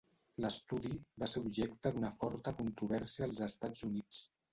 L'estudi va ser objecte d'una forta controvèrsia als Estats Units.